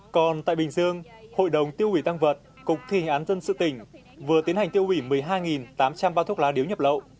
còn tại bình dương hội đồng tiêu hủy tăng vật cục thi hành án dân sự tỉnh vừa tiến hành tiêu hủy một mươi hai tám trăm linh bao thuốc lá điếu nhập lậu